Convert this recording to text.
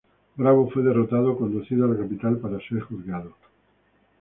Bravo fue derrotado, conducido a la capital para ser juzgado.